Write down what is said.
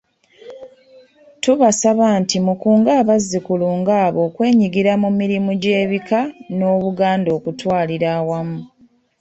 Tubasaba nti mukunge abazzukulu ng'abo okwenyigira mu mirimu gy'ebika n'Obuganda okutwalira awamu.